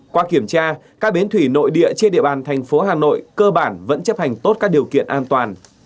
qua kiểm tra các bến thủy nội địa trên địa bàn thành phố hà nội cơ bản vẫn chấp hành tốt các điều kiện an toàn